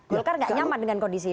golkar tidak nyaman dengan kondisi itu